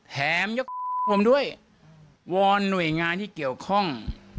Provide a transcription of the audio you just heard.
แถมเหยือผมด้วยวรหน่วยงานที่เกี่ยวข้อง